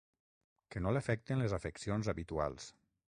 Que no l'afecten les afeccions habituals.